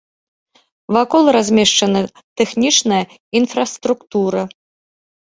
Вакол размешчана тэхнічная інфраструктура.